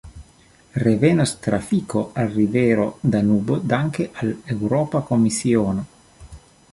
Revenos trafiko al rivero Danubo danke al Eŭropa Komisiono.